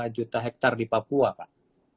satu dua juta hektare di papua pak